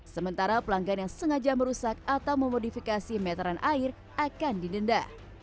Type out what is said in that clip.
sementara pelanggan yang sengaja merusak atau memodifikasi meteran air akan didenda